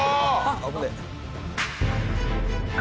危ねえ。